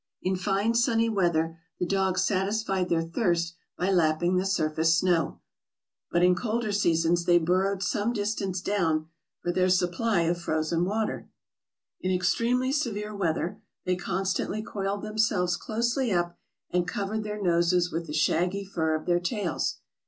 In fine sunny weather, the dogs satisfied their thirst by lapping the surface snow; but in colder seasons they burrowed some 502 MISCELLANEOUS 503 distance down for their supply of frozen water. In ex tremely severe weather, they constantly coiled themselves closely up, and covered their noses with the shaggy fur of their tails.